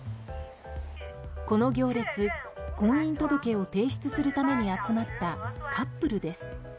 この行列、婚姻届を提出するために集まったカップルです。